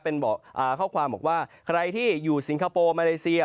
เป็นข้อความบอกว่าใครที่อยู่สิงคโปร์มาเลเซีย